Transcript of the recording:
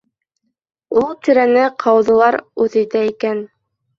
Ул тирәне ҡауҙылар үҙ итә икән.